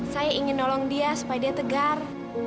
saya ingin nolong dia supaya dia tegar